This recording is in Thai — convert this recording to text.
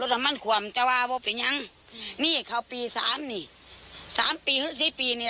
ว่ามันจะว่าว่าเป็นยังนี่เขาปีสามนี่สามปีสี่ปีนี่